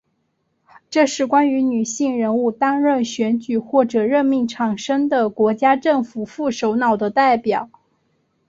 这是关于女性人物担任选举或者任命产生的国家政府副首脑的列表。